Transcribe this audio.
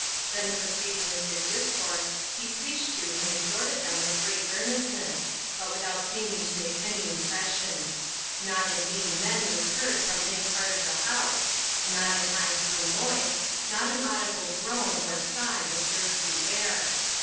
Then proceeding with his discourse, he preached to and exhorted them with great earnestness, but without seeming to make any impression. Not an "amen" was heard from any part of the house; not an eye grew moist; not an audible groan or sigh disturbed the air.